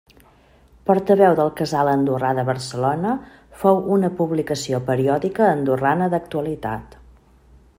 Portaveu del Casal Andorrà de Barcelona fou una publicació periòdica andorrana d'actualitat.